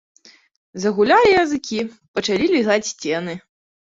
Загулялі языкі, пачалі лізаць сцены.